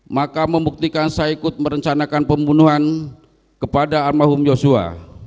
maka membuktikan saya ikut merencanakan pembunuhan kepada almarhum yosua